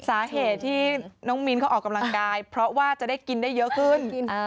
สาเหตุที่น้องมินเขาออกกำลังกายเพราะว่าจะได้กินได้เยอะขึ้น